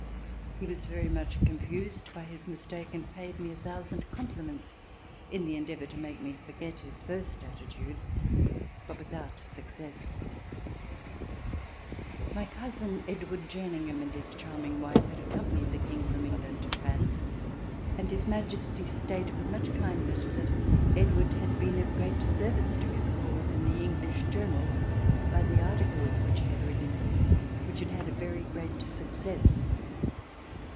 He was very much confused by his mistake and paid me a thousand compliments in the endeavor to make me forget his first attitude, but without success. C 390 ] THE RETURN OF THE KING My cousin, Edward Jcrningham, and his charming wife, had accompanied the King from England to France, and His Majesty stated w ith mucli kindness that Edward had been of great service to his cause, in the English journals, by the articles which he had written, which had had a very great success.